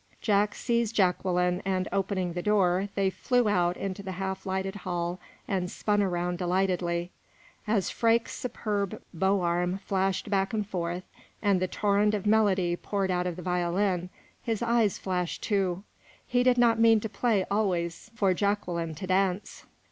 Jack seized Jacqueline, and, opening the door, they flew out into the half lighted hall and spun around delightedly. As Freke's superb bow arm flashed back and forth, and the torrent of melody poured out of the violin, his eyes flashed, too. He did not mean to play always for Jacqueline to dance.